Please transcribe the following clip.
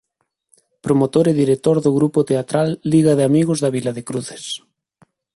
Promotor e director do grupo teatral Liga de Amigos da Vila de Cruces.